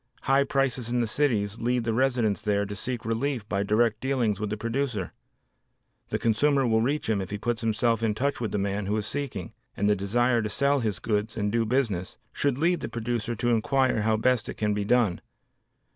High prices in the cities lead the residents there to seek relief by direct dealings with the producer. The consumer will reach him if he puts himself in touch with the man who is seeking, and the desire to sell his goods and do business, should lead the producer to inquire how best it can be done.